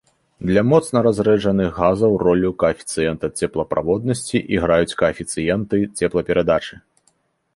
Для моцна разрэджаных газаў ролю каэфіцыента цеплаправоднасці іграюць каэфіцыенты цеплаперадачы.